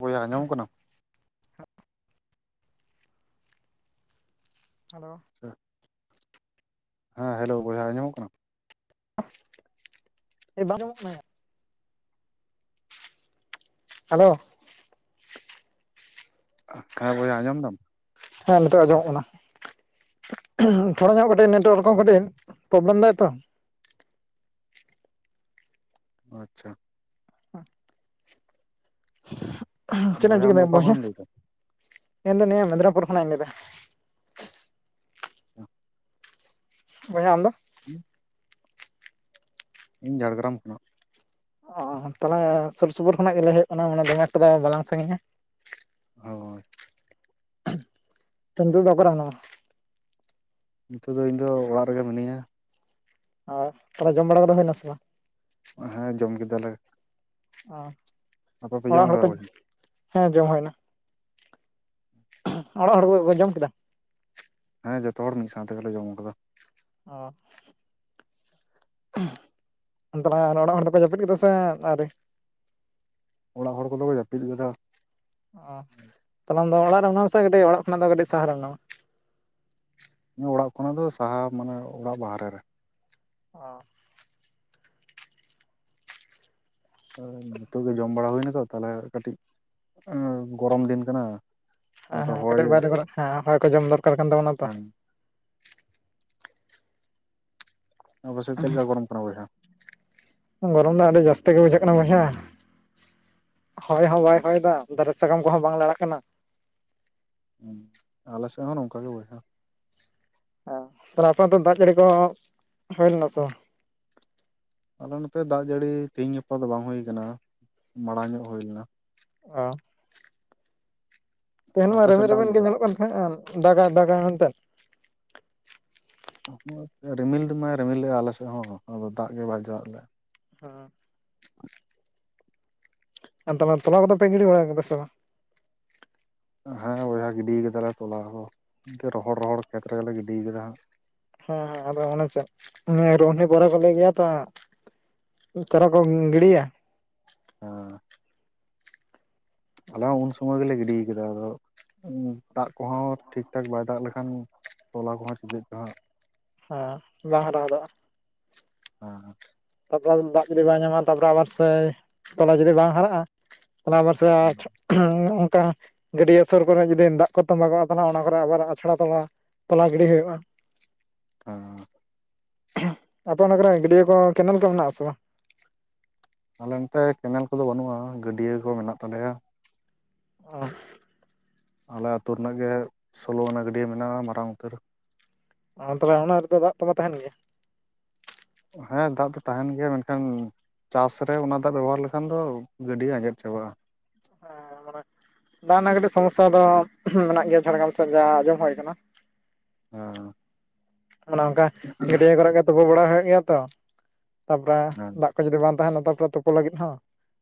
ᱵᱚᱭᱦᱟᱹ ᱟᱡᱚᱢᱚᱜ ᱠᱟᱱᱟ? ᱦᱮᱞᱳ ᱟ ᱦᱮ ᱦᱮᱞᱳ ᱵᱚᱭᱦᱟ ᱟᱸᱡᱚᱢᱚᱜ ᱠᱟᱱᱟ᱾ ᱮ ᱟᱡᱚᱢᱚᱜ ᱠᱟᱱᱟ ᱭᱟ ᱦᱮᱞᱳ ᱦᱮ ᱵᱳᱭᱦᱟ ᱟᱸᱡᱚᱢ ᱫᱟᱢ ᱦᱮ ᱱᱤᱛᱚᱜ ᱟᱡᱚᱢᱚᱜ ᱠᱟᱱᱟ ᱛᱷᱚᱲᱟ ᱧᱚᱜ ᱠᱟᱹᱴᱤᱡ ᱱᱮᱴᱣᱟᱨᱠ ᱦᱚ ᱠᱟᱹᱴᱤᱡ ᱯᱨᱚᱵᱞᱮᱢ ᱫᱟᱭ ᱛᱚ ᱟᱪᱪᱷᱟ ᱪᱮᱫ ᱤᱧ ᱵᱚᱭᱦᱟ ᱪᱤᱠᱟᱹ ᱟᱢ ᱫᱚ ᱚᱠᱟ ᱠᱷᱚᱱᱮᱢ ᱞᱟᱹᱭ ᱮᱫᱟ [unintelligible] ᱤᱧᱫᱚ ᱱᱤᱭᱟᱹ ᱢᱮᱫᱽᱱᱯᱩᱨ ᱠᱷᱚᱱᱟᱜ ᱤᱧ ᱞᱟᱹᱭ ᱟᱟ᱾ ᱵᱚᱭᱦᱟ ᱟᱢ ᱫᱚ [inaudible] ᱤᱧ ᱡᱷᱟᱲᱮᱜᱨᱟᱢ ᱠᱷᱚᱱᱟᱜ᱾ ᱚ ᱛᱟᱞᱟᱝᱜ ᱥᱩᱨ ᱥᱩᱯᱩᱨ ᱠᱷᱚᱱᱟᱜ ᱜᱮ ᱞᱟ. ᱭ ᱦᱩᱭᱩᱜ ᱠᱟᱱᱟ ᱢᱟᱱᱮ ᱫᱚᱢᱮ ᱢᱟᱱᱮ ᱫᱚᱢᱮ ᱛᱚᱵᱮ ᱵᱟᱞᱟᱝ ᱥᱟᱺᱜᱤᱧᱟ᱾ ᱦᱳᱭ᱾ ᱛᱚ ᱱᱤᱛᱟᱹᱜ ᱫᱚ ᱚᱠᱟᱨᱮ ᱢᱮᱱᱟᱢᱟ? ᱱᱤᱛᱚᱜ ᱫᱚ ᱤᱧ ᱫᱚ ᱚᱲᱟᱜ ᱨᱮᱜᱮ ᱢᱤᱱᱟᱹᱧᱟ᱾ ᱚ ᱛᱟᱦᱞᱮ ᱡᱚᱢ ᱵᱟᱲᱟ ᱠᱚᱫᱚ ᱦᱩᱭᱱᱟᱥᱮ ᱵᱟᱝ? ᱦᱮᱸ ᱡᱚᱢ ᱠᱮᱫᱟᱞᱮ᱾ ᱟᱯᱮ ᱯᱮ ᱦᱚᱸ ᱡᱚᱢ ᱚᱲᱟᱜ ᱦᱚᱲ ᱠᱟᱫᱟ ᱠᱚ ᱵᱚᱭᱦᱟ ᱦᱮᱸ ᱡᱚᱢ ᱦᱩᱭᱱᱟ᱾ ᱚᱲᱟᱜ ᱦᱚᱲ ᱠᱚᱠᱚ ᱡᱚᱢ ᱠᱮᱫᱟ? ᱦᱮᱸ ᱡᱚᱛᱚ ᱦᱚᱲ ᱢᱤᱫ ᱥᱟᱶ ᱛᱮᱜᱮᱞᱮ ᱡᱚᱢ ᱟᱠᱟᱫᱟ᱾ ᱚ᱾ ᱚᱱᱛᱮ ᱫᱚ ᱚᱲᱟᱜ ᱦᱚᱲ ᱫᱚᱠᱚ ᱡᱟᱹᱯᱤᱫ ᱠᱮᱫᱟ ᱥᱮ ᱟᱹᱶᱨᱤ? ᱚᱲᱟᱜ ᱦᱚᱲ ᱠᱚᱫᱚ ᱠᱚ ᱡᱟᱹᱯᱤᱫ ᱠᱮᱫᱟ᱾ ᱚᱻ ᱛᱟᱦᱞᱮ ᱟᱢ ᱫᱚ ᱚᱲᱟᱜ ᱨᱮ ᱡᱮᱱᱟᱢ ᱟᱥᱮ ᱠᱟᱹᱴᱤᱡ ᱚᱲᱟᱜ ᱠᱷᱚᱱᱟᱜ ᱫᱚ ᱠᱟᱹᱴᱤᱡ ᱥᱟᱦᱟ ᱨᱮ ᱢᱮᱱᱟᱢᱟ? ᱤᱧᱟᱹᱦᱚᱸ ᱚᱲᱟᱜ ᱠᱷᱚᱱᱟᱜ ᱫᱚ ᱥᱟᱦᱟ ᱢᱟᱱᱮ ᱚᱲᱟᱜ ᱵᱟᱦᱨᱮ ᱨᱮ᱾ ᱚ᱾ ᱱᱤᱛᱚᱜ ᱜᱮ ᱡᱚᱢ ᱵᱟᱲᱟ ᱦᱩᱭᱱᱟ ᱛᱚ ᱛᱟᱦᱞᱮ ᱠᱟᱹᱴᱤᱡ ᱜᱚᱨᱚᱢ ᱫᱤᱱ ᱠᱟᱱᱟ᱾ ᱦᱟᱸ ᱛᱚ ᱦᱟᱸ ᱦᱚᱭ ᱠᱟᱹᱴᱤᱡ ᱵᱟᱦᱨᱮ ᱠᱚᱨᱮ ᱦᱮ ᱦᱚᱭ ᱠᱚ ᱡᱚᱢ ᱫᱚᱨᱠᱟᱨ ᱠᱟᱱ ᱛᱟᱵᱚᱱᱟ ᱛᱚ᱾ ᱟᱯᱮᱥᱮᱫ ᱪᱮᱫ ᱞᱮᱠᱟ ᱜᱚᱨᱚᱢ ᱠᱟᱱᱟ ᱵᱚᱭᱦᱟ? ᱜᱚᱨᱚᱢ ᱫᱚ ᱟᱹᱰᱤ ᱡᱟᱹᱥᱛᱤ ᱜᱮ ᱵᱩᱡᱷᱟᱹᱜ ᱠᱟᱱᱟ ᱵᱚᱭᱦᱟ ᱦᱚᱭ ᱦᱚᱸ ᱦᱚᱭ ᱵᱟᱭ ᱦᱚᱭ ᱫᱟ᱾ ᱫᱟᱨᱮ ᱥᱟᱠᱟᱢ ᱠᱚᱦᱚᱸ ᱵᱟᱝ ᱞᱟᱲᱟᱜ ᱠᱟᱱᱟ᱾ ᱦᱩᱸ ᱟᱞᱮᱥᱮᱫ ᱦᱚ ᱱᱚᱝᱠᱟ ᱜᱮ ᱵᱚᱭᱦᱟ᱾ ᱦᱮ ᱛᱟᱦᱞᱮ ᱟᱯᱮ ᱚᱱᱛᱮ ᱫᱟᱜ ᱡᱟᱹᱲᱤ ᱠᱚ ᱦᱩᱭ ᱞᱮᱱᱟ ᱥᱮ ᱵᱟᱝ? ᱟᱞᱮ ᱱᱚᱛᱮ ᱫᱟᱜ ᱡᱟᱹᱲᱤ ᱛᱮᱦᱮᱧ ᱜᱟᱯᱟ ᱫᱚ ᱵᱟᱝ ᱦᱩᱭ ᱟᱠᱟᱱᱟ ᱢᱟᱲᱟᱝ ᱧᱚᱜ ᱦᱩᱭ ᱞᱮᱱᱟ᱾ ᱚ᱾ ᱛᱮᱦᱮᱧ ᱢᱟ ᱟᱯᱮ ᱥᱮᱫ ᱫᱟᱜ ᱨᱤᱢᱤᱱ-ᱨᱤᱢᱤᱱ ᱜᱮ ᱞᱮᱫᱟᱭ ᱧᱮᱞᱚᱜ ᱠᱟᱱ ᱛᱟᱦᱮᱸ-ᱟ ᱫᱟᱜᱟᱭ-ᱫᱟᱜᱟᱭ ᱢᱮᱱᱛᱮᱫ᱾ ᱨᱤᱢᱤᱞ ᱫᱚ ᱢᱟᱭ ᱨᱤᱢᱤᱞ ᱞᱮᱜ-ᱟ ᱟᱞᱮ ᱥᱮᱫ ᱦᱚᱸ ᱟᱫᱚ ᱫᱟᱜ ᱜᱮ ᱵᱟᱭ ᱫᱟᱜ ᱞᱮᱜ᱾ ᱦᱚᱸ᱾ ᱟ ᱛᱟᱞᱟᱝᱜ ᱛᱚᱞᱟ ᱠᱚᱫᱚ ᱯᱮ ᱜᱤᱰᱤ ᱵᱟᱲᱟ ᱟᱠᱟᱫᱟ ᱥᱮ ᱵᱟᱝ? ᱦᱮᱸ ᱵᱚᱭᱦᱟ ᱜᱤᱰᱤ ᱠᱟᱫᱟᱞᱮ ᱛᱚᱞᱟ ᱦᱚ ᱨᱚᱦᱚᱲ-ᱨᱚᱦᱚᱲ ᱠᱷᱮᱛ ᱨᱮᱜᱮ ᱞᱮ ᱜᱤᱰᱤ ᱠᱟᱫᱟ᱾ [unintelligible] ᱪᱟᱨᱟ ᱠᱚᱢ ᱜᱤᱰᱤᱭᱟ? [unintelligible] ᱦᱚᱞᱟ ᱦᱚᱸ ᱩᱱ ᱥᱚᱢᱚᱭ ᱜᱮᱞᱮ ᱜᱤᱰᱤ ᱠᱮᱫᱟ ᱟᱫᱚ ᱩᱸ ᱫᱟᱜ ᱠᱚᱦᱚᱸ ᱴᱷᱤᱠ ᱴᱷᱟᱠ ᱵᱟᱭ ᱫᱟᱜ ᱞᱮᱠᱷᱟᱱ ᱛᱚᱞᱟ ᱠᱚᱦᱚᱸ ᱪᱮᱫᱟᱹᱜ ᱛᱮ ᱦᱟᱸᱜ ᱦᱮᱸ ᱞᱟᱦᱟ ᱞᱟᱦᱟ ᱫᱚ᱾ ᱦᱮᱸ᱾ ᱛᱟᱯᱚᱨᱮ ᱫᱟᱜ ᱡᱩᱫᱤ ᱵᱟᱭ ᱧᱟᱢᱟ ᱛᱟᱯᱚᱨᱮ ᱟᱵ ᱥᱮ ᱛᱚᱞᱟ ᱡᱩᱫᱤ ᱵᱟᱝ ᱦᱟᱨᱟᱜ-ᱟ ᱛᱟᱦᱞᱮ ᱦᱮᱸ [unintelligible] ᱦᱩᱸ ᱚᱱᱠᱟ ᱜᱟᱹᱰᱤᱭᱟᱹ ᱥᱩᱨ ᱠᱚᱨᱮ ᱡᱩᱫᱤ ᱫᱟᱜ ᱠᱚᱛᱟᱢ ᱞᱟᱜᱟᱣ ᱟᱠᱟᱱᱟ ᱚᱱᱟ ᱠᱚᱨᱮ ᱟᱵᱟᱨ ᱟᱪᱷᱲᱟ ᱛᱚᱞᱟ ᱛᱚᱞᱟ ᱜᱤᱰᱤ ᱦᱩᱭᱩᱜᱼᱟ᱾ [unintelligible] ᱟᱯᱮ ᱚᱱᱟ ᱠᱚᱨᱮ ᱜᱟᱹᱰᱤᱭᱟᱹ ᱠᱚ ᱠᱮᱱᱮᱞ ᱠᱚ ᱢᱮᱱᱟᱜ-ᱟ ᱥᱮ ᱵᱟᱝ? ᱟᱞᱮ ᱱᱚᱛᱮ ᱠᱮᱱᱮᱞ ᱠᱚᱫᱚ ᱵᱟᱹᱱᱩᱜ-ᱟ ᱜᱟᱹᱰᱤᱭᱟᱹ ᱠᱚ ᱢᱮᱱᱟᱜ ᱛᱟᱞᱮᱭᱟ᱾ ᱚ᱾ ᱟᱞᱮ ᱟ. ᱛᱩ ᱨᱮᱱᱟᱜ ᱜᱮ ᱥᱚᱞᱚ ᱟᱱᱟ ᱜᱟᱹᱰᱤᱭᱟᱹ ᱢᱮᱱᱟᱜ-ᱟ ᱢᱟᱨᱟᱝ ᱩᱛᱟᱹᱨ᱾ ᱟᱸ ᱛᱚᱵᱮ ᱚᱱᱟ ᱨᱮᱫᱚ ᱫᱟᱜ ᱠᱚᱫᱚ ᱛᱟᱦᱮᱱ ᱜᱮᱭᱟ? ᱦᱮᱸ ᱫᱟᱜ ᱫᱚ ᱛᱟᱦᱮᱱ ᱜᱮᱭᱟ ᱢᱮᱱᱠᱷᱟᱱ ᱪᱟᱥ ᱨᱮ ᱚᱱᱟ ᱫᱟᱜ ᱵᱮᱵᱚᱦᱟᱨ ᱞᱮᱠᱷᱟᱱ ᱫᱚ ᱜᱟᱹᱰᱤᱭᱟᱹ ᱟᱸᱡᱮᱫ ᱪᱟᱵᱟᱜ-ᱟ᱾ [unintelligible] ᱫᱟᱜ ᱨᱮᱱᱟᱜ ᱠᱟᱹᱴᱤᱡ ᱥᱚᱢᱚᱥᱥᱟ ᱫᱚ ᱢᱮᱱᱟᱜ ᱜᱮᱭᱟ ᱡᱷᱟᱲᱜᱨᱟᱢ ᱥᱮᱫ ᱡᱟ ᱟᱸᱡᱚᱢ ᱦᱩᱭ ᱟᱠᱟᱱᱟ᱾ ᱦᱮᱸ ᱚᱱᱮ ᱚᱱᱠᱟ ᱜᱟᱹᱰᱭᱟᱹ ᱠᱚᱨᱮ ᱜᱮ ᱛᱩᱯᱩ ᱵᱟᱲᱟ ᱦᱩᱭᱩᱜ ᱜᱮᱭᱟ ᱛᱚ [unintelligible] ᱛᱟᱯᱚᱨᱮ ᱦᱮᱸ ᱫᱟᱜ [unintelligible] ᱡᱩᱫᱤ ᱵᱟᱝ ᱛᱟᱦᱮᱱᱟ ᱛᱟᱯᱚᱨᱮ ᱛᱩᱯᱩ ᱞᱟᱹᱜᱤᱫ ᱦᱚᱸ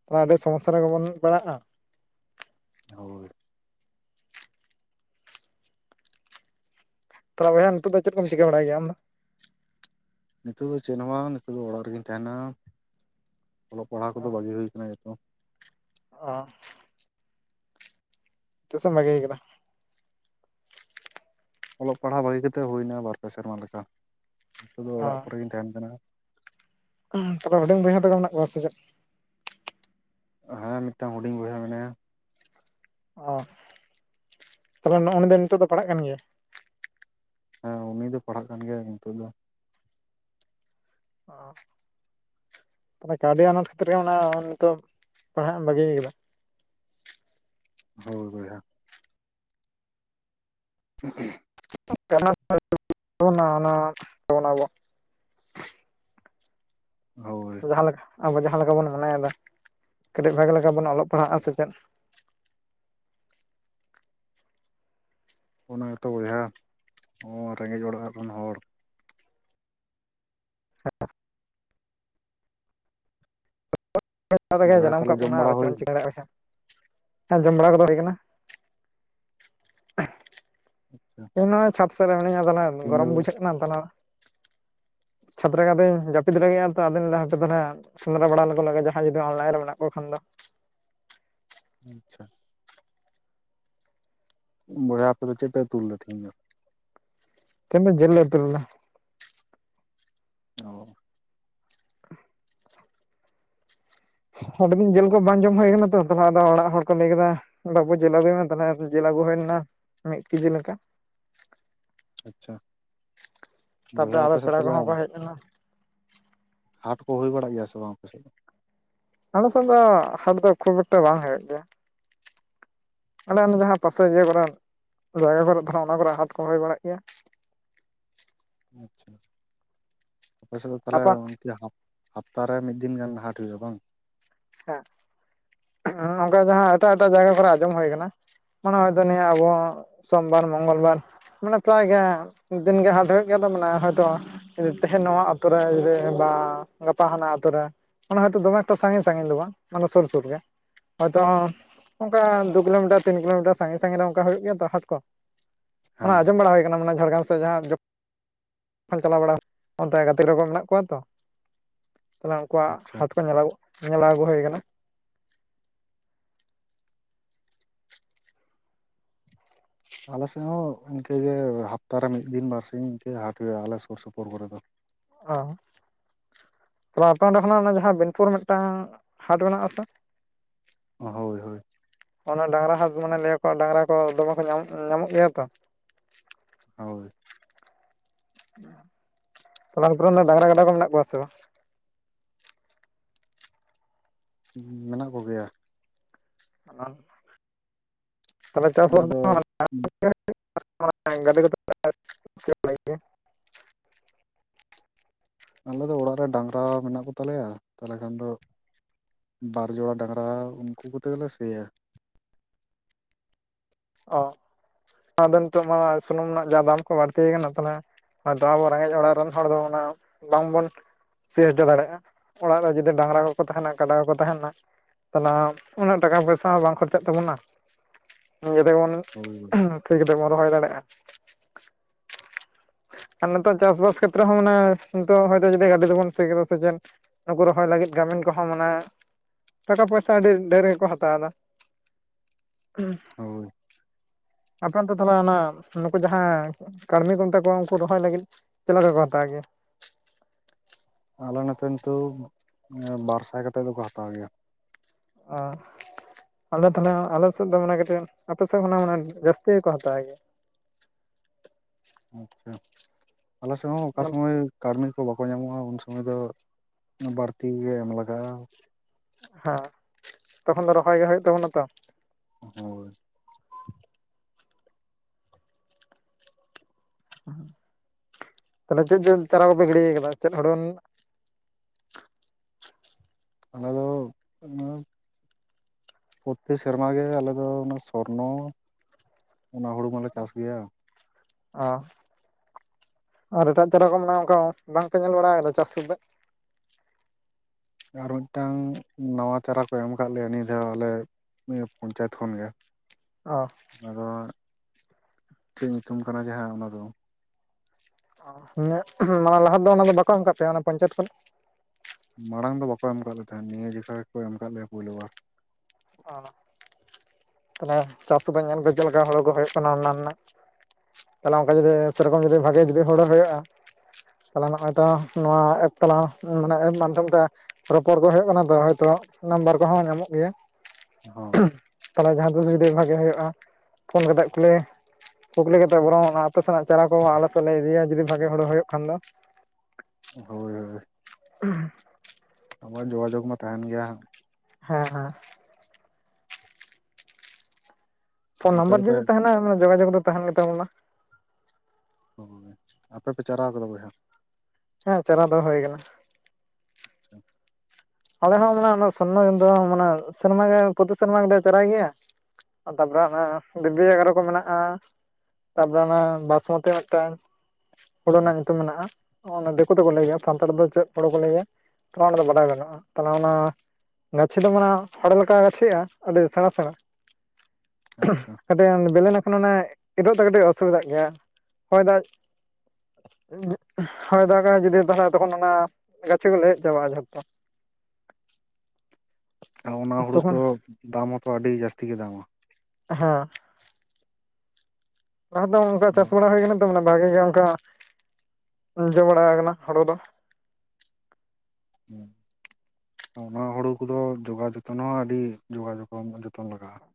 ᱛᱟᱦᱚᱞᱮ ᱟᱹᱰᱤ ᱥᱚᱢᱚᱥᱥᱟ ᱨᱮᱜᱮ ᱵᱚᱱ ᱯᱟᱲᱟᱜᱼᱟ᱾ ᱦᱳᱭ [unintelligible] ᱵᱚᱭᱦᱟ ᱱᱤᱛᱚᱜ ᱫᱚ ᱪᱮᱫ ᱠᱚ ᱪᱤᱠᱟᱹ ᱵᱟᱲᱟᱭ ᱜᱮᱭᱟ ᱟᱢ ᱫᱚ? ᱱᱤᱛᱚᱜ ᱫᱚ ᱪᱮᱫ ᱦᱚᱸ ᱵᱟᱝ ᱱᱤᱛᱚᱜ ᱫᱚ ᱚᱲᱟᱜ ᱨᱮᱜᱮᱧ ᱛᱟᱦᱮᱱᱟ ᱚᱞᱚᱜ ᱯᱟᱲᱦᱟᱜ ᱠᱚᱫᱚ ᱵᱟᱹᱜᱤ ᱦᱩᱭ ᱟᱠᱟᱱᱟ ᱡᱚᱛᱚ ᱚ ᱛᱤᱥ ᱮᱢ ᱵᱟᱹᱜᱤ ᱟᱠᱟᱱᱟ? ᱚᱞᱚᱜ ᱯᱟᱲᱦᱟᱜ ᱵᱟᱹᱜᱤ ᱠᱟᱛᱮ ᱦᱩᱭᱱᱟ ᱵᱟᱨᱯᱮ ᱥᱮᱨᱢᱟ ᱞᱮᱠᱟ ᱱᱤᱛᱚᱜ ᱫᱚ ᱚ ᱚᱲᱟᱜ ᱠᱚᱨᱮ ᱜᱤᱧ ᱛᱟᱦᱮᱱ ᱠᱟᱱᱟ᱾ [unintelligible] ᱛᱚᱵᱮ ᱦᱩᱰᱤᱧ ᱵᱚᱭᱦᱟ ᱛᱟᱠᱚ ᱢᱮᱱᱟᱜ ᱠᱚᱣᱟ ᱥᱮ ᱪᱮᱫ ᱦᱮᱸ ᱢᱤᱫᱴᱟᱝ ᱦᱩᱰᱤᱧ ᱵᱚᱭᱦᱟ ᱢᱮᱱᱟᱭᱟ᱾ ᱚ [unintelligible] ᱛᱚᱵᱮ ᱱᱚᱜ-ᱚ [unintelligible] ᱱᱤᱛᱚᱜ ᱫᱚ ᱯᱟᱲᱦᱟᱜ ᱠᱟᱱ ᱜᱮᱭᱟ ᱦᱮᱸ ᱩᱱᱤ ᱫᱚ ᱯᱟᱲᱦᱟᱜ ᱠᱟᱱ ᱜᱮᱭᱟ ᱱᱤᱛᱚᱜ ᱫᱚ [unintelligible] ᱛᱟᱦᱚᱞᱮ ᱠᱟᱹᱣᱰᱤ ᱟᱱᱟᱴ ᱠᱷᱟᱹᱛᱤᱨ ᱜᱮ ᱢᱟᱱᱮ ᱱᱤᱛᱚᱜ ᱯᱟᱲᱦᱟᱜ ᱮᱢ ᱵᱟᱹᱜᱤ ᱟᱠᱟᱫᱟ ᱦᱳᱭ ᱵᱚᱭᱦᱟ [unintelligible] [unintelligible] ᱚᱱᱟ ᱚᱱᱟ ᱚᱱᱟ ᱜᱮ ᱦᱳᱭ ᱡᱟᱦᱟᱸ ᱞᱮᱠᱟ ᱟᱵᱚ ᱡᱟᱦᱟᱸ ᱞᱮᱠᱟ ᱵᱚᱱ ᱢᱚᱱᱮᱭᱫᱟ [unintelligible] ᱠᱟᱹᱴᱤᱡ ᱵᱷᱟᱜᱤ ᱞᱮᱠᱟ ᱵᱩᱱ ᱚᱞᱚᱜ ᱯᱟᱲᱦᱟᱜ-ᱟ ᱥᱮ ᱪᱮᱫ ᱚᱱᱟ ᱜᱮᱛᱚ ᱵᱚᱭᱦᱟ [unintelligible] [unintelligible] ᱨᱮᱸᱜᱮᱡᱽ ᱚᱲᱟᱜ ᱨᱮᱱ ᱦᱚᱲ [unintelligible] [unintelligible] ᱵᱚᱭᱦᱟ ᱡᱟᱱᱟᱢ ᱛᱟᱦᱚᱞᱮ ᱟᱠᱟᱫ ᱡᱚᱢ ᱵᱚᱱᱟ ᱵᱟᱲᱟ ᱟᱫᱚ ᱪᱮᱫ ᱦᱩᱭ ᱮᱢ ᱪᱤᱠᱟᱹ ᱫᱟᱲᱮᱭᱟᱜ-ᱟ ᱵᱚᱭᱦᱟ [unintelligible] ᱦᱮᱸ ᱡᱚᱢ ᱵᱟᱲᱟ ᱠᱚᱫᱚ ᱦᱩᱭ ᱟᱠᱟᱱᱟ [unintelligible] ᱱᱚᱜᱚᱭ ᱪᱷᱟᱛ ᱥᱮᱫ ᱨᱮ ᱢᱤᱱᱟᱹᱧᱟ ᱟᱫᱚ [unintelligible] ᱛᱮᱦᱤᱧ ᱫᱚ ᱜᱚᱨᱚᱢ ᱵᱩᱡᱷᱟᱹᱜ ᱠᱟᱱᱟ [unintelligible] ᱪᱷᱟᱛ ᱨᱮᱜᱮᱱ ᱟᱫᱚᱧ ᱡᱟᱹᱯᱤᱫ ᱞᱟᱜᱤᱫ-ᱟ ᱛᱚ ᱟᱫᱚᱧ ᱞᱟᱹᱭ ᱮᱫᱟ ᱦᱟᱯᱮ ᱛᱟᱦᱚᱞᱮ ᱥᱮᱸᱫᱽᱨᱟ ᱵᱟᱲᱟ ᱞᱮᱠᱚ ᱞᱮᱜᱮ ᱡᱟᱦᱟᱸᱭ ᱡᱩᱫᱤ ᱚᱱᱞᱟᱭᱤᱱ ᱨᱮ ᱢᱮᱱᱟᱜ ᱠᱚ ᱠᱷᱟᱱ ᱫᱚ ᱟᱪᱪᱷᱟ ᱵᱚᱭᱦᱟ ᱟᱯᱮ ᱫᱚ ᱪᱮᱫ ᱯᱮ ᱩᱛᱩ ᱞᱮᱫᱟ ᱛᱤᱦᱤᱧ ᱫᱚ? ᱛᱮᱦᱮᱧ ᱫᱚ ᱡᱮᱞ ᱞᱮ ᱩᱛᱩ ᱞᱮᱫᱟ᱾ ᱚ ᱟᱹᱰᱤ ᱫᱤᱱ ᱡᱮᱞ ᱠᱚ ᱵᱟᱝ ᱡᱚᱢ ᱦᱳᱭ ᱟᱠᱟᱱᱟ ᱛᱚ ᱛᱟᱞᱦᱮ ᱟᱫᱚ ᱚᱲᱟᱜ ᱦᱚᱲ ᱠᱚ ᱞᱟᱹᱭ ᱮᱫᱟ ᱵᱟᱵᱩ ᱡᱮᱞ ᱟᱹᱜᱩᱭ ᱢᱮ ᱛᱟᱞᱦᱮ ᱟᱫᱚ ᱡᱮᱞ ᱟᱹᱜᱩ ᱦᱳᱭ ᱞᱮᱱᱟ ᱢᱤᱫ ᱠᱤᱡᱤ ᱞᱮᱠᱟ ᱟᱪᱪᱷᱟ [unintelligible] ᱵᱚᱭᱦᱟ ᱛᱟᱯᱚᱨᱮ ᱟᱫᱚ ᱟᱯᱮ ᱥᱮᱫ ᱯᱮᱲᱟ ᱛᱟᱦᱞᱮ [unintelligible] ᱦᱟᱴ ᱠᱚ ᱦᱳᱭ ᱵᱟᱲᱟᱜ ᱜᱮᱭᱟ ᱥᱮ ᱵᱟᱝ ᱟᱯᱮ ᱥᱮᱫ ᱫᱚ ᱟᱞᱮ ᱥᱮᱫ ᱫᱚ ᱦᱟᱴ ᱫᱚ ᱠᱷᱩᱵ ᱮᱠᱴᱟ ᱵᱟᱝ ᱦᱚᱭᱚᱜ ᱜᱮᱭᱟ ᱟᱞᱮ ᱚᱱᱟ ᱡᱟᱦᱟᱸ ᱯᱟᱥᱮ ᱤᱭᱟᱹ ᱠᱚᱨᱮ ᱡᱟᱭᱜᱟ ᱠᱚᱨᱮ [unintelligible] ᱚᱱᱟ ᱠᱚᱨᱮ ᱦᱟᱴ ᱠᱚ ᱦᱳᱭ ᱵᱟᱲᱟᱜ ᱜᱮᱭᱟ ᱟᱪᱪᱷᱟ [unintelligible] ᱟᱯᱮ ᱥᱮᱫ ᱫᱚ ᱛᱟᱞᱦᱮ ᱟᱯᱟᱱ [unintelligible] ᱦᱟᱯᱛᱟ ᱨᱮ ᱢᱤᱫ ᱫᱤᱱ ᱜᱟᱱ ᱦᱟᱴ ᱦᱩᱭᱩᱜ-ᱟ ᱵᱟᱝ ᱦᱮᱸ [unintelligible] ᱚᱱᱠᱟ ᱡᱟᱦᱟᱸ ᱮᱴᱟᱜ ᱮᱴᱟᱜ ᱡᱟᱭᱜᱟ ᱠᱚᱨᱮ ᱟᱸᱡᱚᱢ ᱦᱳᱭ ᱟᱠᱟᱱᱟ ᱢᱚᱱᱮ ᱦᱚᱭᱛᱚ ᱱᱤᱭᱟᱹ ᱟᱵᱚ ᱥᱚᱢᱵᱟᱨ ᱢᱚᱝᱜᱚᱞ ᱵᱟᱨ ᱢᱟᱱᱮ ᱯᱨᱟᱭ ᱜᱮ ᱫᱤᱱ ᱜᱮ ᱦᱟᱴ ᱦᱳᱭᱳᱜ ᱜᱮᱭᱟ ᱛᱚ ᱢᱟᱱᱮ ᱦᱚᱭᱛᱚ ᱛᱮᱦᱮᱧ ᱱᱚᱣᱟ ᱟᱛᱩ ᱨᱮ ᱡᱩᱫᱤ ᱵᱟ ᱜᱟᱯᱟ ᱦᱟᱱᱟ ᱟᱛᱩ ᱨᱮ ᱚᱱᱟ ᱦᱚᱭ ᱛᱚ ᱫᱚᱢᱮ ᱮᱠᱴᱟ ᱥᱟᱸᱜᱤᱧ [unintelligible] ᱥᱟᱸᱜᱤᱧ ᱫᱚ ᱵᱟᱝ ᱢᱟᱱᱮ ᱥᱩᱨ ᱥᱩᱨ ᱜᱮ ᱦᱚᱭ ᱛᱚ ᱚᱝᱠᱟ ᱫᱩ ᱠᱤᱞᱳᱢᱤᱴᱟᱨ ᱛᱤᱱ ᱠᱤᱞᱳᱢᱤᱴᱟᱨ ᱥᱟᱸᱜᱤᱧ ᱥᱟᱸᱜᱤᱧ ᱨᱮ ᱚᱝᱠᱟ ᱦᱳᱭᱳᱜ ᱜᱮᱭᱟ ᱛᱚ ᱦᱟᱴ ᱠᱚ ᱦᱮᱸ ᱚᱱᱟ ᱟᱸᱡᱚᱢ ᱵᱟᱲᱟ ᱦᱳᱭ ᱠᱟᱱᱟ ᱢᱟᱱᱮ ᱡᱷᱟᱲᱜᱨᱟᱢ [unintelligible] ᱡᱟᱦᱟᱸ ᱡᱚ [unintelligible] ᱪᱟᱞᱟᱣ ᱵᱟᱲᱟ [unintelligible] ᱚᱱᱛᱮ ᱜᱟᱛᱮ ᱠᱚᱲᱟ ᱠᱚ ᱢᱮᱱᱟᱜ ᱠᱚᱣᱟ ᱛᱚ ᱛᱟᱞᱦᱮ ᱩᱱᱠᱩᱣᱟᱜ ᱟᱪᱪᱷᱟ ᱦᱟᱴ ᱠᱚ ᱧᱮᱞ ᱟᱜᱩ ᱧᱮᱞ ᱟᱹᱜᱩ ᱦᱳᱭ ᱟᱠᱟᱱᱟ ᱟᱞᱮ ᱥᱮᱜ ᱦᱚᱸ ᱤᱱᱠᱟᱹ ᱜᱮ ᱦᱟᱯᱛᱟ ᱨᱮ ᱢᱤᱫ ᱫᱤᱱ ᱵᱟᱨ ᱥᱤᱧ ᱤᱱᱠᱟᱹ ᱦᱟᱴ ᱦᱩᱭᱩᱜ-ᱟ ᱟᱞᱮ ᱥᱩᱨ ᱥᱩᱯᱩᱨ ᱠᱚᱨᱮ ᱫᱚ ᱚ ᱛᱚᱵᱮ ᱟᱯᱮ ᱚᱸᱰᱮ ᱠᱷᱚᱱᱟᱜ ᱚᱱᱟ ᱡᱟᱦᱟᱸ ᱵᱤᱱᱯᱩᱨ ᱢᱮᱫᱴᱟᱝ ᱦᱟᱴ ᱢᱮᱱᱟᱜ-ᱟ ᱥᱮ ᱚ ᱦᱳᱭ ᱦᱳᱭ ᱚᱱᱟ ᱰᱟᱝᱨᱟ ᱦᱟᱛ ᱢᱟᱱᱮ ᱞᱟᱹᱭᱟ ᱠᱚ ᱰᱟᱝᱨᱟ ᱠᱚ ᱫᱚᱢᱮ ᱠᱚ ᱧᱟᱢᱚ ᱧᱟᱢᱚᱜ ᱜᱮᱭᱟ ᱛᱚ ᱦᱳᱭ [unintelligible] ᱛᱟᱦᱞᱮᱢ ᱩᱯᱨᱩᱢ ᱱᱟᱢ ᱰᱟᱝᱨᱟ ᱜᱟᱰᱟ ᱠᱚ ᱢᱮᱱᱟᱜ ᱠᱚᱣᱟ ᱥᱮ ᱵᱟᱝ ᱢᱮᱱᱟᱜ ᱠᱚ ᱜᱮᱭᱟ [unintelligible] ᱛᱟᱞᱦᱮ ᱪᱟᱥ-ᱵᱟᱥ ᱫᱚ [unintelligible] [unintelligible] [unintelligible] ᱟᱞᱮ ᱫᱚ ᱚᱲᱟᱜ ᱨᱮ ᱰᱟᱝᱨᱟ ᱢᱮᱱᱟᱜ ᱠᱚ ᱛᱟᱞᱮᱭᱟ ᱛᱟᱞᱦᱮ ᱠᱷᱟᱱ ᱫᱚ ᱵᱟᱨ ᱡᱚᱲᱟ ᱰᱟᱝᱨᱟ ᱩᱱᱠᱩ ᱠᱚᱛᱮ ᱜᱮᱞᱮ ᱥᱤᱭᱟ ᱚ ᱟᱫᱚ ᱱᱤᱛᱚᱜ ᱢᱟ ᱥᱩᱱᱩᱢ ᱨᱮᱱᱟᱜ ᱡᱟ ᱫᱟᱢ ᱠᱚ ᱵᱟᱲᱛᱤᱭ ᱠᱟᱱᱟ ᱛᱟᱞᱦᱮ ᱟᱫᱚ ᱟᱵᱚ ᱨᱮᱸᱜᱮᱡ ᱚᱲᱟᱜ ᱨᱮᱱ ᱦᱚᱲ ᱫᱚ ᱚᱱᱟ ᱵᱟᱝ ᱵᱚᱱ ᱥᱤ ᱦᱚᱡᱚ ᱫᱟᱲᱮᱜ-ᱟ ᱚᱲᱟᱜ ᱨᱮ ᱡᱩᱫᱤ ᱰᱟᱝᱨᱟ ᱠᱚᱠᱚ ᱛᱟᱦᱮᱱᱟ ᱠᱟᱰᱟ ᱠᱚᱠᱚ ᱛᱟᱦᱮᱱᱟ ᱩᱱᱟᱹᱜ ᱴᱟᱠᱟ ᱯᱚᱭᱥᱟ ᱦᱚᱸ ᱵᱟᱝ ᱠᱷᱚᱨᱪᱟᱜ ᱛᱟᱵᱩᱱᱟ ᱤᱭᱟᱹ ᱛᱮᱜᱮ ᱵᱚᱱ ᱦᱳᱭ ᱦᱳᱭ ᱦᱩᱸ ᱥᱤ ᱠᱟᱛᱮᱜ ᱵᱚᱱ ᱨᱚᱦᱚᱭ ᱫᱟᱲᱮᱜ-ᱟ ᱟᱨ ᱱᱤᱛᱚᱜ ᱪᱟᱥ-ᱵᱟᱥ ᱠᱷᱮᱛᱨᱮ ᱦᱚᱸ ᱚᱱᱟ ᱱᱤᱛᱚᱜ ᱦᱚᱭ ᱛᱚ ᱡᱩᱫᱤ ᱜᱟᱰᱤ ᱛᱮᱵᱚᱱ ᱥᱤ ᱠᱮᱫᱟ ᱥᱮ ᱪᱮᱫ ᱱᱩᱠᱩ ᱨᱚᱦᱚᱭ ᱞᱟᱹᱜᱤᱫ ᱠᱟᱢᱤᱱ ᱠᱚ ᱦᱚᱸ ᱢᱟᱱᱮ ᱴᱟᱠᱟ ᱯᱚᱭᱥᱟ ᱟᱹᱰᱤ ᱰᱷᱮᱨ ᱜᱮ ᱠᱚ ᱦᱟᱛᱟᱣ ᱫᱟ [unintelligible] ᱦᱳᱭ ᱟᱯᱮ ᱚᱱᱛᱮ ᱛᱟᱞᱦᱮ ᱚᱱᱟ ᱱᱩᱠᱩ ᱡᱟᱦᱟᱸ ᱠᱟᱹᱲᱢᱤ ᱠᱚ ᱢᱮᱛᱟ ᱠᱚᱣᱟ ᱩᱱᱠᱩ ᱨᱚᱦᱚᱭ ᱞᱟᱹᱜᱤᱫ ᱪᱮᱫ ᱞᱮᱠᱟ ᱠᱚ ᱦᱟᱛᱟᱣ ᱜᱮᱭᱟ ᱟᱞᱮ ᱱᱚᱛᱮ ᱱᱤᱛᱚᱜ ᱵᱟᱨ ᱥᱟᱭ ᱠᱟᱛᱮᱫ ᱫᱚ ᱠᱚ ᱦᱟᱛᱟᱣ ᱜᱮᱭᱟ ᱚ ᱟᱞᱮ ᱛᱟᱞᱦᱮ ᱦᱚᱸ ᱟᱞᱮ ᱥᱮᱫ ᱫᱚ ᱢᱟᱱᱮ ᱠᱟᱹᱴᱤᱡ ᱟᱯᱮ ᱥᱮᱫ ᱠᱷᱚᱱᱟᱜ ᱢᱟᱱᱮ ᱡᱟᱹᱥᱛᱤ ᱜᱮᱠᱚ ᱦᱟᱛᱟᱣ ᱜᱮᱭᱟ ᱟᱪᱪᱷᱟ ᱟᱞᱮ ᱥᱮᱫ ᱦᱚᱸ ᱚᱠᱟ ᱦᱮᱸ ᱥᱚᱢᱚᱭ ᱠᱟᱹᱨᱢᱤ ᱠᱚ ᱵᱟᱠᱚ ᱧᱟᱢᱚᱜ-ᱟ ᱩᱱ ᱥᱚᱢᱚᱭ ᱫᱚ ᱵᱟᱹᱲᱛᱤ ᱜᱮ ᱮᱢ ᱞᱟᱜᱟ-ᱟ ᱦᱮᱸ ᱛᱚᱠᱷᱚᱱ ᱫᱚ ᱨᱚᱦᱚᱭ ᱜᱮ ᱦᱩᱭᱩᱜ ᱛᱟᱵᱚᱱᱟ ᱛᱚ ᱦᱳᱭ ᱛᱟᱦᱞᱮ ᱪᱮᱫ ᱪᱮᱫ ᱪᱟᱨᱟ ᱠᱚᱯᱮ ᱜᱤᱲᱤᱭ ᱟᱠᱟᱫᱟ ᱪᱮᱫ ᱦᱳᱲᱳ ᱦᱮᱞᱳ [unintelligible] ᱯᱨᱚᱛᱤ ᱥᱮᱨᱢᱟ ᱜᱮ ᱟᱞᱮ ᱫᱚ ᱚᱱᱟ ᱥᱚᱨᱱᱚ ᱚᱱᱟ ᱦᱩᱲᱩ ᱢᱟᱞᱮ ᱪᱟᱥ ᱜᱮᱭᱟ ᱚ ᱟᱨ ᱮᱴᱟᱜ ᱪᱟᱨᱟ ᱠᱚ ᱢᱮᱱᱟᱜ-ᱟ ᱚᱱᱠᱟ ᱵᱟᱝᱯᱮ ᱧᱮᱞ ᱵᱟᱲᱟ ᱟᱠᱟᱫᱟ ᱪᱟᱥ ᱥᱩᱫᱫᱟᱹ ᱟᱨ ᱢᱤᱫ ᱴᱟᱝ ᱱᱟᱣᱟ ᱪᱟᱨᱟ ᱠᱚ ᱮᱢ ᱟᱠᱟᱫ ᱞᱮᱭᱟ ᱱᱤᱭᱟᱹ ᱫᱷᱟᱣ ᱟᱞᱮ ᱱᱤᱭᱟᱹ ᱯᱚᱧᱪᱟᱭᱮᱛ ᱠᱷᱚᱱ ᱜᱮ ᱚ ᱟᱫᱚ ᱦᱟᱸᱜ ᱪᱮᱫ ᱧᱩᱛᱩᱢ ᱠᱟᱱᱟ ᱡᱮ ᱦᱟᱸᱜ ᱚᱱᱟ ᱫᱚ ᱤᱭᱟᱹᱜ [unintelligible] ᱢᱟᱱᱮ ᱞᱟᱦᱟ ᱫᱚ ᱚᱱᱟ ᱫᱚ ᱵᱟᱠᱚ ᱮᱢ ᱠᱟᱣᱟᱫ ᱯᱮᱭᱟ ᱚᱱᱟ ᱯᱚᱪᱟᱭᱮᱛ ᱠᱷᱚᱱ ᱢᱟᱲᱟᱝ ᱫᱚ ᱵᱟᱠᱚ ᱮᱢ ᱟᱠᱟᱫ ᱞᱮ ᱛᱟᱦᱮᱸᱫ ᱱᱤᱭᱟᱹ ᱡᱮᱠᱷᱟ ᱜᱮᱠᱚ ᱮᱢ ᱟᱠᱟᱫ ᱞᱮᱭᱟ ᱯᱩᱭᱞᱳ ᱵᱟᱨ ᱚ ᱛᱟᱦᱞᱮ ᱪᱟᱥ ᱦᱚᱸ ᱵᱟᱧ ᱧᱮᱞ ᱠᱟᱛᱮ ᱞᱮᱠᱟ ᱦᱩᱲᱩ ᱠᱚ ᱦᱩᱭᱩᱜ ᱠᱟᱱᱟ ᱚᱱᱟ ᱨᱮᱱᱟᱜ ᱛᱟᱞᱦᱮ ᱚᱱᱠᱟ ᱡᱩᱫ ᱥᱮᱨᱚᱠᱚᱢ ᱡᱩᱫᱤ ᱵᱷᱟᱜᱮ ᱡᱩᱫᱤ ᱦᱳᱲᱳ ᱦᱩᱭᱩᱜ-ᱟ᱾ ᱛᱟᱞᱦᱮ ᱱᱚᱜᱼᱚᱭ ᱛᱚ ᱱᱚᱣᱟ ᱮᱯ ᱛᱟᱞᱟ ᱢᱟᱱᱮ ᱮᱯ ᱢᱟᱫᱽᱫᱷᱚᱢ ᱛᱮ ᱨᱚᱯᱚᱲ ᱠᱚ ᱦᱩᱭᱩᱜ ᱠᱟᱱᱟ ᱛᱚ ᱦᱚᱭᱛᱚ ᱱᱟᱢᱵᱟᱨ ᱠᱚᱦᱚᱸ ᱧᱟᱢᱚᱜ ᱜᱮᱭᱟ ᱦᱚᱸ ᱛᱟᱞᱦᱮ ᱡᱟᱦᱟᱸ ᱛᱤᱥ ᱡᱩᱫᱤ ᱢᱚᱡᱽ ᱜᱮ ᱦᱳᱭᱳᱜ-ᱟ ᱯᱷᱳᱱ ᱜᱚᱫᱟᱫ ᱯᱮᱞᱮ ᱠᱩᱠᱞᱤ ᱠᱟᱛᱮᱫ ᱵᱚᱨᱚᱝ ᱟᱯᱮ ᱥᱮᱱᱟᱜ ᱪᱟᱨᱟ ᱠᱚ ᱟᱞᱮ ᱥᱮᱫ ᱞᱮ ᱤᱫᱤᱭᱟ ᱡᱩᱫᱤ ᱵᱷᱟᱜᱮ ᱦᱳᱲᱳ ᱦᱩᱭᱩᱜ ᱠᱷᱟᱱ ᱫᱚ ᱦᱳᱭ ᱦᱳᱭ [unintelligible] ᱱᱚᱜᱼᱚᱭ ᱡᱳᱜᱟ ᱡᱳᱜᱽ ᱢᱟ ᱛᱟᱦᱮᱸᱱ ᱜᱮᱭᱟ ᱦᱟᱸᱜ ᱦᱮᱸ ᱦᱮᱸ ᱯᱷᱳᱱ ᱟᱯᱮ ᱱᱟᱢᱵᱟᱨ ᱫᱚᱯᱮ ᱡᱩᱫᱤ ᱛᱟᱦᱮᱸᱱᱟ ᱡᱳᱜᱟ ᱡᱳᱜᱽ ᱫᱚ ᱛᱟᱦᱮᱸᱱ ᱜᱮ ᱛᱟᱵᱚᱱᱟ ᱦᱳᱭ ᱟᱯᱮ ᱯᱮ ᱪᱟᱨᱟ ᱠᱟᱫᱟ ᱵᱚᱭᱦᱟ? ᱦᱮᱸ ᱪᱟᱨᱟ ᱫᱚ ᱦᱳᱭ ᱠᱟᱱᱟ ᱾ ᱟᱪᱪᱷᱟ ᱾ ᱟᱞᱮ ᱦᱚᱸ ᱢᱟᱱᱮ ᱚᱱᱟ ᱥᱚᱨᱱᱚ ᱤᱭᱟᱹ ᱫᱚ ᱢᱟᱱᱮ ᱥᱮᱨᱢᱟ ᱨᱮ ᱯᱨᱚᱛᱤ ᱥᱮᱨᱢᱟ ᱜᱮᱞᱮ ᱪᱟᱨᱟᱭ ᱜᱮᱭᱟ ᱾ ᱛᱟᱯᱚᱨᱮ ᱚᱱᱮ ᱵᱤᱵᱤ ᱮᱜᱟᱨᱚ ᱠᱚ ᱢᱮᱱᱟᱜᱼᱟ ᱾ ᱛᱟᱨᱯᱚᱨᱮ ᱚᱱᱟ ᱵᱟᱥᱢᱚᱛᱤ ᱢᱤᱫᱴᱟᱹᱝ ᱾ ᱦᱩᱲᱳ ᱨᱮᱱᱟᱜ ᱧᱩᱛᱩᱢ ᱢᱮᱱᱟᱜᱼᱟ, ᱫᱤᱠᱩ ᱛᱮᱠᱚ ᱞᱟᱹᱭ ᱜᱮᱭᱟ ᱾ ᱥᱟᱱᱛᱟᱲ ᱛᱮ ᱫᱚ ᱪᱮᱫ ᱦᱳᱲᱳ ᱠᱚ ᱞᱟᱹᱭ ᱜᱮᱭᱟ? [unintelligible] ᱚᱱᱟ ᱫᱚ ᱵᱟᱰᱟᱭ ᱵᱟᱹᱱᱩᱜᱼᱟ ᱾ ᱛᱟᱞᱦᱮ ᱚᱱᱟ ᱜᱟᱪᱷᱤ ᱫᱚ ᱢᱟᱱᱮ ᱦᱳᱲᱳ ᱞᱮᱠᱟ ᱜᱮ ᱜᱟᱪᱷᱤᱜᱼᱟ ᱟᱹᱰᱤ ᱥᱮᱬᱟ ᱥᱮᱬᱟ ᱟᱪᱪᱷᱟ [inaudible] ᱠᱟᱹᱴᱤᱡ ᱵᱮᱹᱞᱮᱹ ᱞᱮᱱᱠᱷᱟᱱ ᱚᱱᱮ ᱤᱨᱳᱜ ᱫᱚ ᱠᱟᱹᱴᱤᱡ ᱚᱥᱩᱵᱤᱫᱷᱟᱜ ᱜᱮᱭᱟ ᱦᱚᱭ ᱫᱟᱜ ᱦᱚᱭ ᱫᱟᱜᱟᱭ ᱡᱩᱫᱤ ᱛᱟᱦᱞᱮ ᱛᱚᱠᱷᱚᱱ ᱚᱱᱟ ᱜᱟᱪᱷᱤ ᱠᱚ ᱞᱮᱣᱮᱫ ᱪᱟᱵᱟᱜᱼᱟ ᱡᱷᱚᱛᱚ ᱾ ᱚᱱᱟ ᱦᱩᱲᱩ ᱛᱚᱠᱷᱚᱱ ᱛᱚ ᱫᱟᱢ ᱦᱚᱸᱛᱚ ᱟᱹᱰᱤ ᱡᱟᱹᱥᱛᱤ ᱜᱮ ᱫᱟᱢᱟ ᱾ ᱦᱮᱸ ᱞᱟᱦᱟ ᱫᱚ ᱚᱱᱠᱟ ᱪᱟᱥ ᱦᱩᱸ ᱵᱟᱲᱟ ᱦᱩᱭ ᱟᱠᱟᱱᱟ ᱛᱚ ᱢᱟᱱᱮ ᱵᱷᱟᱜᱮ ᱜᱮ ᱚᱱᱠᱟ ᱡᱚ ᱵᱟᱲᱟ ᱟᱠᱟᱱᱟ ᱦᱳᱲᱳ ᱫᱚ ᱾ ᱚᱸ ᱚᱱᱟ ᱦᱩᱲᱩ ᱠᱚᱫᱚ ᱡᱚᱜᱟᱣ ᱡᱚᱛᱚᱱ ᱦᱚᱸ ᱟᱹᱰᱤ ᱡᱚᱜᱟᱣ [unintelligible] ᱡᱚᱛᱚᱱ ᱞᱟᱜᱟᱜᱼᱟ ᱾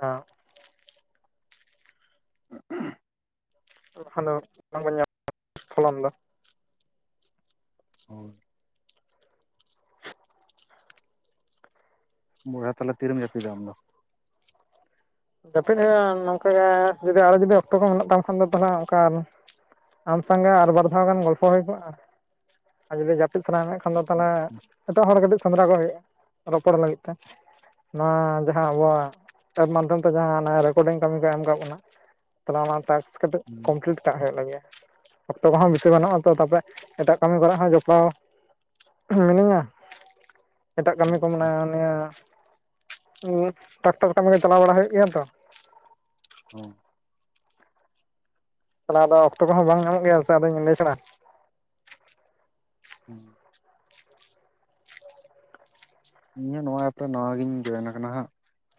ᱦᱮᱸ ᱾ [unintelligible] ᱟᱫᱚ ᱵᱟᱝᱵᱚᱱ ᱧᱟᱢᱟ ᱯᱷᱚᱞᱚᱱ ᱫᱚ [unintelligible] ᱦᱳᱭ ᱵᱚᱭᱦᱟ ᱛᱟᱦᱞᱮ ᱛᱤᱨᱮᱢ ᱡᱟᱹᱯᱤᱫᱟ ᱟᱢ ᱫᱚ? ᱡᱟᱹᱯᱤᱫ ᱦᱩᱭᱩᱜᱼᱟ ᱱᱚᱝᱠᱟ ᱜᱮ ᱡᱩᱫᱤ ᱟᱨᱦᱚᱸ ᱡᱩᱫᱤ ᱚᱠᱛᱚ ᱠᱚ ᱢᱮᱱᱟᱜ ᱛᱟᱢ ᱠᱷᱟᱱ ᱫᱚ ᱛᱟᱦᱚᱞᱮ ᱚᱱᱠᱟ ᱟᱢ ᱥᱟᱝ ᱜᱮ ᱟᱨ ᱵᱟᱨ ᱫᱷᱟᱣ ᱜᱟᱱ ᱜᱚᱞᱯᱷᱚ ᱦᱩᱭ ᱠᱚᱜᱼᱟ ᱾ ᱟᱨ ᱡᱩᱫᱤ ᱡᱟᱹᱯᱤᱫ ᱥᱟᱱᱟᱣ ᱢᱮ ᱠᱷᱟᱱ ᱫᱚ ᱛᱟᱦᱚᱞᱮ ᱮᱴᱟᱜ ᱦᱚᱲ ᱠᱟᱹᱴᱤᱡ ᱥᱮᱸᱫᱽᱨᱟ ᱠᱚ ᱦᱩᱭᱩᱜᱼᱟ ᱨᱚᱯᱚᱲ ᱞᱟᱹᱜᱤᱫ ᱛᱮ᱾ ᱱᱚᱣᱟ ᱡᱟᱦᱟᱸ ᱟᱵᱚᱣᱟᱜ ᱮᱯ ᱢᱟᱫᱽᱫᱷᱚᱢ ᱛᱚ ᱡᱟᱦᱟ ᱚᱱᱟ ᱨᱮᱠᱚᱨᱰᱤᱝ ᱠᱟᱹᱢᱤ ᱠᱚ ᱮᱢ ᱠᱟᱜ ᱵᱩᱱᱟ ᱛᱟᱞᱦᱮ ᱚᱱᱟ ᱴᱟᱠᱥᱼᱼ ᱠᱟᱹᱴᱤᱡ ᱠᱚᱢᱯᱞᱤᱴ ᱠᱟᱜ ᱦᱩᱭᱩᱜ ᱞᱟᱹᱜᱤ ᱟ ᱾ ᱚᱠᱛᱚ ᱠᱚᱦᱚᱸ ᱵᱤᱥᱤ ᱵᱟᱱᱩᱜᱼᱟ ᱛᱚ ᱛᱟᱯᱚᱨᱮ ᱮᱴᱟᱜ ᱠᱟᱹᱢᱤ ᱠᱚᱨᱮ ᱦᱚᱸ ᱡᱚᱯᱲᱟᱣ ᱦᱤᱱᱟᱹᱧᱟ, ᱮᱴᱟᱜ ᱠᱟᱹᱢᱤ ᱠᱚ ᱟᱪᱪᱷᱟ ᱢᱮᱱᱟ ᱱᱤᱭᱟᱹ ᱴᱟᱠᱴᱟᱨ ᱠᱟᱹᱢᱤ ᱠᱚ ᱪᱟᱞᱟᱣ ᱵᱟᱲᱟ ᱦᱩᱭᱩᱜ ᱜᱮᱭᱟ ᱛᱚ ᱾ ᱦᱩᱸ ᱚᱱᱮ ᱟᱫᱚ ᱚᱠᱛᱚ ᱠᱚᱦᱚᱸ ᱵᱟᱝ ᱧᱟᱢᱚᱜ ᱜᱮᱭᱟ ᱥᱮ ᱟᱫᱚ ᱧᱤᱫᱟᱹ ᱪᱷᱟᱲᱟ᱾ ᱦᱩᱸ ᱤᱧ ᱦᱚᱸ ᱱᱚᱣᱟ ᱮᱯ ᱨᱮ ᱱᱚᱣᱟ ᱜᱤᱧ ᱡᱚᱭᱮᱱ ᱟᱠᱟᱱᱟ ᱦᱟᱸᱜ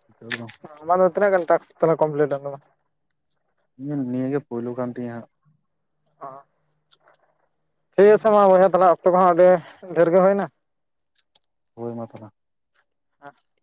ᱱᱤᱛᱚᱝ ᱫᱚ ᱾ ᱟᱢᱟᱜ ᱫᱚ ᱛᱤᱱᱟᱹᱜ ᱜᱟᱱ ᱴᱟᱥᱠ ᱠᱚᱢᱯᱞᱤᱴ ᱮᱱ ᱛᱟᱢᱟ? ᱤᱧᱟᱜ ᱱᱤᱭᱟᱹ ᱜᱮ ᱯᱳᱭᱞᱳ ᱠᱟᱱ ᱛᱤᱧᱟᱹ ᱦᱟᱸᱜ ᱾ ᱚ ᱴᱷᱤᱠ ᱟᱪᱷᱮ ᱢᱟ ᱵᱚᱭᱦᱟ ᱛᱟᱦᱞᱮ ᱚᱠᱛᱚ ᱠᱚᱦᱚᱸ ᱟᱹᱰᱤ ᱰᱷᱮᱨ ᱜᱮ ᱦᱩᱭᱱᱟ ᱾ ᱦᱳᱭ ᱢᱟ ᱛᱟᱦᱚᱞᱮ᱾ [unintelligible]